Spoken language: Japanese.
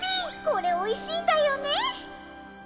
これおいしいんだよね。